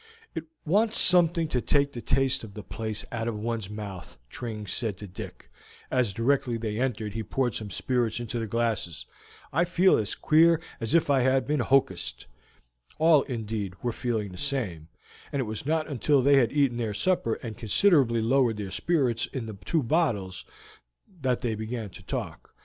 "It wants something to take the taste of that place out of one's mouth," Tring said to Dick, as, directly they entered, he poured some spirits into the glasses. "I feel as queer as if I had been hocussed." All, indeed, were feeling the same, and it was not until they had eaten their supper and considerably lowered the spirits in the two bottles that they began to talk.